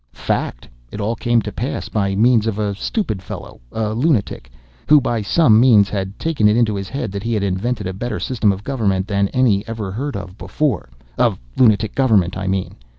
"Fact—it all came to pass by means of a stupid fellow—a lunatic—who, by some means, had taken it into his head that he had invented a better system of government than any ever heard of before—of lunatic government, I mean.